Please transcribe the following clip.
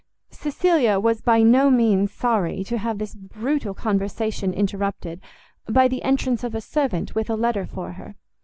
Cecilia was by no means sorry to have this brutal conversation interrupted by the entrance of a servant with a letter for her.